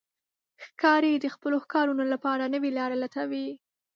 ښکاري د خپلو ښکارونو لپاره نوې لارې لټوي.